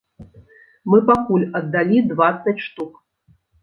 Мы пакуль аддалі дваццаць штук.